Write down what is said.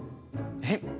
えっ？